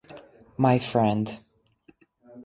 My friend.